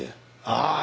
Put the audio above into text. ああ。